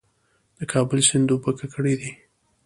د کابل سیند اوبه ککړې دي؟